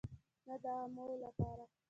نه د عوامو لپاره.